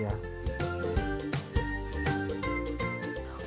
masukkan ke dalam nasi